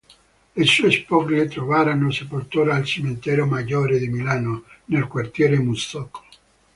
Le sue spoglie trovarono sepoltura al Cimitero Maggiore di Milano, nel quartiere Musocco.